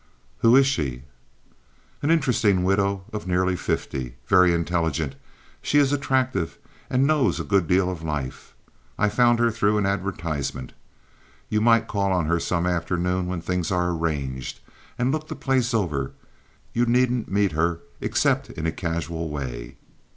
"Who is she?" "An interesting widow of nearly fifty. Very intelligent—she is attractive, and knows a good deal of life. I found her through an advertisement. You might call on her some afternoon when things are arranged, and look the place over. You needn't meet her except in a casual way.